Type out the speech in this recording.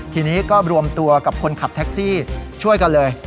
ทีนี้ก็รวมตัวกับคนขับแท็กซี่ช่วยกันเลย